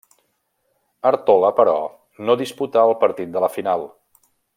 Artola, però, no disputà el partit de la final.